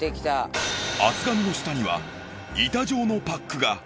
厚紙の下には板状のパックが！